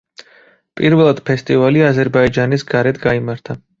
პირველად ფესტივალი აზერბაიჯანის გარეთ გაიმართა.